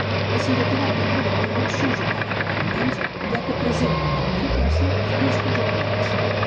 La seroteràpia preventiva s'usa cada vegada menys, ja que presenta poca eficàcia i riscos elevats.